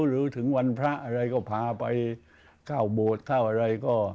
หรือถึงวันพระอะไรก็พาไปเข้าโบสถ์เข้าอะไรก็